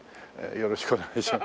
よろしくお願いします。